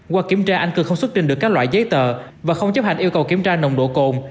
qua kiểm tra anh cường không xuất trình được các loại giấy tờ và không chấp hành yêu cầu kiểm tra nồng độ cồn